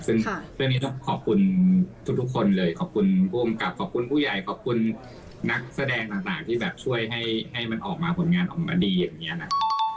ซึ่งเรื่องนี้ต้องขอบคุณทุกคนเลยขอบคุณผู้อำกับขอบคุณผู้ใหญ่ขอบคุณนักแสดงต่างที่แบบช่วยให้มันออกมาผลงานออกมาดีอย่างนี้นะครับ